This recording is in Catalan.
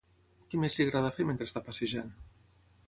Què més li agrada fer mentre està passejant?